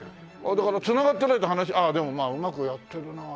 だから繋がってないとああでもまあうまくやってるなあ。